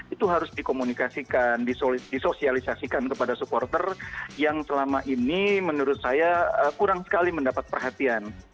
itu harus dikomunikasikan disosialisasikan kepada supporter yang selama ini menurut saya kurang sekali mendapat perhatian